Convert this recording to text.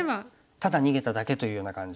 ただ逃げただけというような感じ。